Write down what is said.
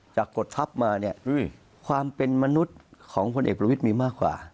กฎทัพมาเนี่ยความเป็นมนุษย์ของพลเอกประวิทย์มีมากกว่า